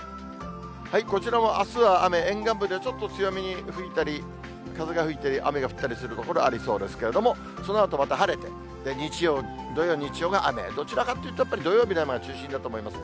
こちらもあすは雨、沿岸部でちょっと強めに吹いたり、風が吹いて雨が降ったりする所ありそうですけれども、そのあとまた晴れて、土曜、日曜が雨、どちらかというと、やっぱり土曜日の雨が中心だと思います。